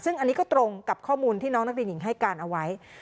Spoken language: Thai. ซึ่งอันนี้ก็ตรงกับข้อมูลที่น้องนักเรียนหญิงให้การเอาไว้